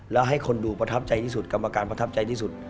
แล้วให้คนดูประทับใจที่สุดกรรมการประทับใจที่สุด